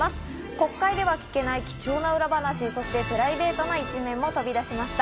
国会では聞けない貴重な裏話、そしてプライベートな一面も飛び出しました。